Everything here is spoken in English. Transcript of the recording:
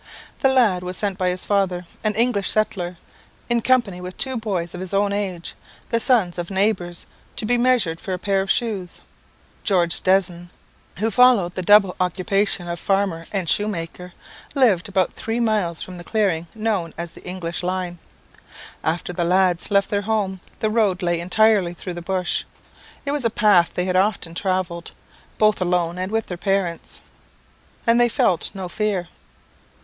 The lad was sent by his father, an English settler, in company with two boys of his own age, the sons of neighbours, to be measured for a pair of shoes. George Desne, who followed the double occupation of farmer and shoemaker, lived about three miles from the clearing known as the English line. After the lads left their home, the road lay entirely through the bush. It was a path they had often travelled, both alone and with their parents, and they felt no fear.